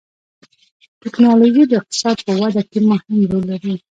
ټکنالوجي د اقتصاد په وده کې مهم رول لري.